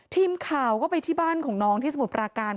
ทีมข่าวก็ไปที่บ้านของน้องที่สมุทรปราการ